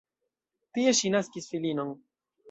Tie ŝi naskis filinon.